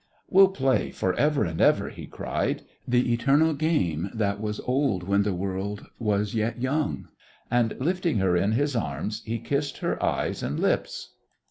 "We'll play for ever and ever," he cried, "the eternal game that was old when the world was yet young," and lifting her in his arms he kissed her eyes and lips.